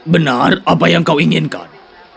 benar apa yang kau inginkan